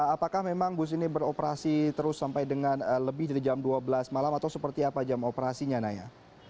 apakah memang bus ini beroperasi terus sampai dengan lebih dari jam dua belas malam atau seperti apa jam operasinya naya